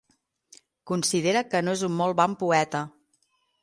Considera que no és un molt bon poeta.